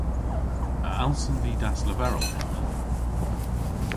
A allsen vy dasleverel henna?